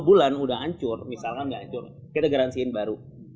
sebelum dua bulan udah ancur misalnya nggak ancur kita garansiin baru